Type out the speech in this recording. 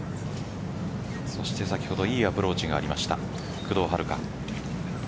そして先ほどいいアプローチがありました工藤遥加。